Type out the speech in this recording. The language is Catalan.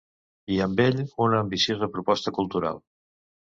I amb ell, una ambiciosa proposta cultural.